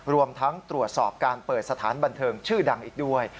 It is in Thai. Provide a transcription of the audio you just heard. รวมทั้งตรวจสอบการเปิดสถานบันเทิงชื่อดังอีกด้วย